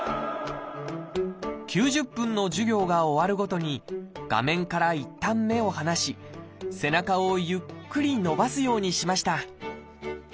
９０分の授業が終わるごとに画面からいったん目を離し背中をゆっくり伸ばすようにしました。